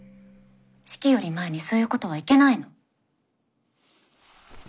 式より前にそういうことはいけないの。